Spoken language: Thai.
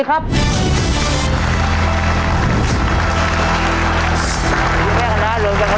ตัวเลือกที่หนึ่ง๒๑๔ปีครับ